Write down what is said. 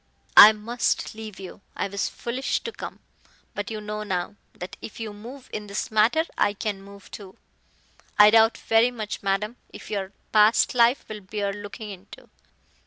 "I must leave you. I was foolish to come. But you know now, that if you move in this matter I can move too. I doubt very much, madam, if your past life will bear looking into."